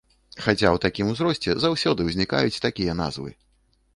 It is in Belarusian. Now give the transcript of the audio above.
Хаця ў такім узросце заўсёды ўзнікаюць такія назвы!